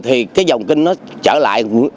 thì cái dòng kinh nó trở lại